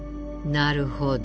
なるほど。